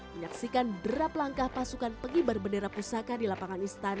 menyaksikan derap langkah pasukan pengibar bendera pusaka di lapangan istana